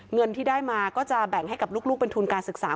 เงินที่ได้มาก็จะแบ่งให้กับลูกเป็นทุนการศึกษา